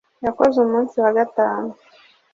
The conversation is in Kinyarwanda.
Yakoze umunsi wa gatanu